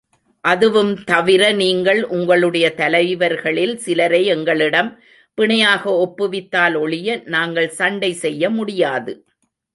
அதுவும் தவிர, நீங்கள் உங்களுடைய தலைவர்களில் சிலரை எங்களிடம் பிணையாக ஒப்புவித்தால் ஒழிய, நாங்கள் சண்டை செய்ய முடியாது.